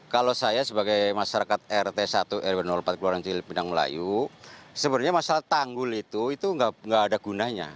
kalau saya sebagai masyarakat rt satu rt empat keluarga cipinang melayu sebenarnya masalah tanggul itu nggak ada gunanya